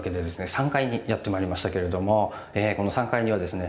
３階にやって参りましたけれどもこの３階にはですね